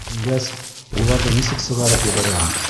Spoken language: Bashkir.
Ингәс, уларҙы нисек сығарып ебәрәһең?